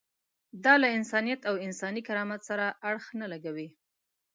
دا له انسانیت او انساني کرامت سره اړخ نه لګوي.